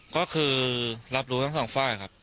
ก็คือรับรู้ทั้งสองฝ่ายครับ